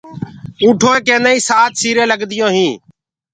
اونٺوئي ڪيندآئين سآت سيرين لگديون هين